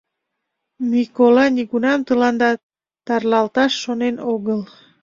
Микола нигунам тыланда тарлалташ шонен огыл.